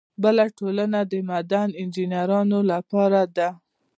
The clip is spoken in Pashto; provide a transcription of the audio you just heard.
بله ټولنه د معدن انجینرانو لپاره ده.